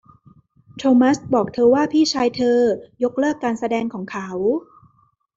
โทมัสบอกเธอว่าพี่ชายเธอยกเลิกการแสดงของเขา